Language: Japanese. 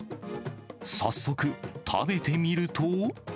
早速、食べてみると。